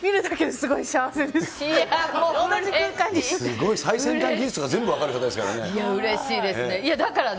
すごい、最先端技術が全部分かる方ですからね。